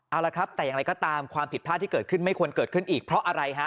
เอาละครับแต่อย่างไรก็ตามความผิดพลาดที่เกิดขึ้นไม่ควรเกิดขึ้นอีกเพราะอะไรฮะ